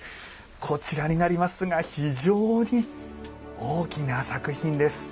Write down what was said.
こちらになりますが非常に大きな作品です。